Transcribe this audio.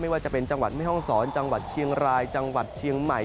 ว่าจะเป็นจังหวัดแม่ห้องศรจังหวัดเชียงรายจังหวัดเชียงใหม่